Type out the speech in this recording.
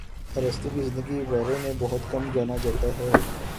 ارسطو کی زندگی کے بارے میں بہت کم جانا جاتا ہے